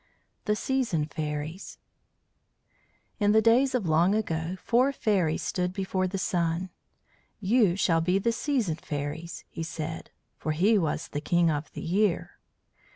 THE SEASON FAIRIES In the days of long ago four fairies stood before the Sun. "You shall be the Season Fairies," he said; for he was the King of the Year.